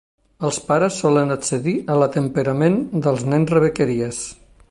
Els pares solen accedir a la temperament dels nens rebequeries.